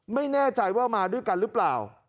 ไม่แน่ใจว่ามาด้วยกันหรือเปล่า